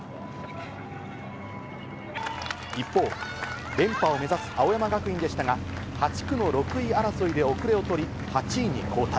一方、連覇を目指す青山学院でしたが、８区の６位争いで後れを取り、８位に後退。